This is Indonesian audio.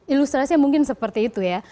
ilustrasinya mungkin seperti itu ya